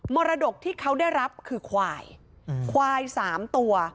รดกที่เขาได้รับคือควายควายสามตัว